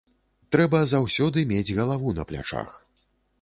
Трэба заўсёды мець галаву на плячах.